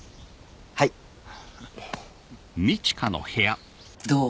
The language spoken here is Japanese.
はいどう？